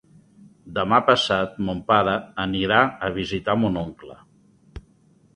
Demà passat mon pare anirà a visitar mon oncle.